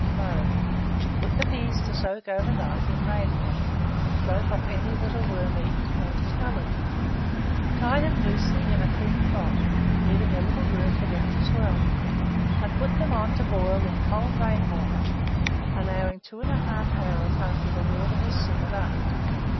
Mode. Put the peas to soak over night, in rain water, and float off any that are wormeaten or discoloured. Tie them loosely in a clean cloth, leaving a little room for them to swell, and put them on to boil in cold rain water, allowing 2 1/2 hours after the water has simmered up.